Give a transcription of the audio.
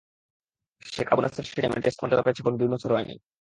Sheikh Abu Naser stadium test মর্যাদা পেয়েছে এখনো দুই বছর হয়নি।